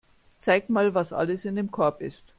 Zeig mal, was alles in dem Korb ist.